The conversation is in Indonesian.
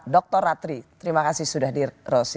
dr ratri terima kasih sudah di rosi